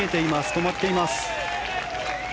止まっています。